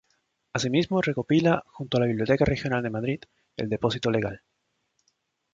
Asimismo recopila, junto a la Biblioteca Regional de Madrid, el Depósito Legal.